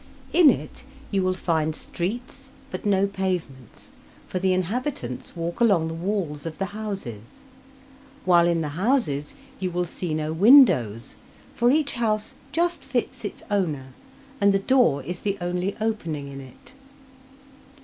In it you will find streets, but no pavements, for the inhabitants walk along the walls of the houses; while in the houses you will see no windows, for each house just fits its owner, and the door is the only opening in it.